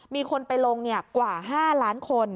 มีคนไปลงกว่า๕ล้านคน